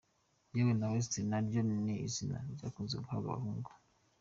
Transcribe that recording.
Yewe na West naryo ni izina ryakunze guhabwa abahungu.